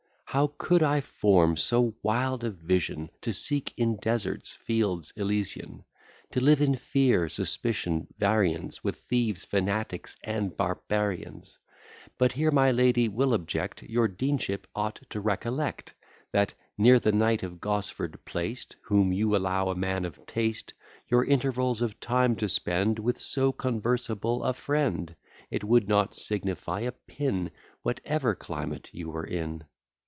How could I form so wild a vision, To seek, in deserts, Fields Elysian? To live in fear, suspicion, variance, With thieves, fanatics, and barbarians? But here my lady will object; Your deanship ought to recollect, That, near the knight of Gosford placed, Whom you allow a man of taste, Your intervals of time to spend With so conversable a friend, It would not signify a pin Whatever climate you were in.